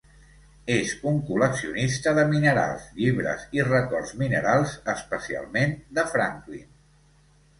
És un col·leccionista de minerals, llibres i records minerals, especialment de Franklin.